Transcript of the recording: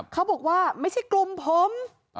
เขาบอกว่าไม่ใช่กลุ่มผม